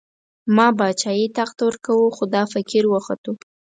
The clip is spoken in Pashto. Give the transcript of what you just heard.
ما باچايي، تخت ورکوو، خو دا فقير وختو